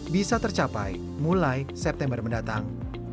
bisa tercapai mulai september mendatang